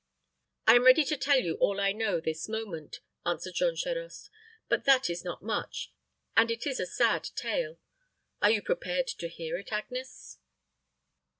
"I am ready to tell you all I know this moment," answered Jean Charost; "but that is not much, and it is a sad tale. Are you prepared to hear it, Agnes?"